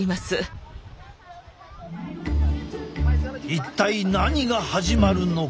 一体何が始まるのか？